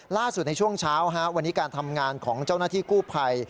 ล่าสุดในช่วงเช้าวันนี้การทำงานของเจ้าหน้าที่กู้ภัย